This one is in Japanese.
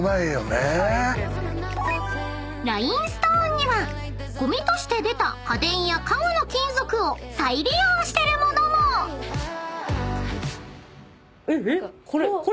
［ラインストーンにはゴミとして出た家電や家具の金属を再利用してる物も］えっ？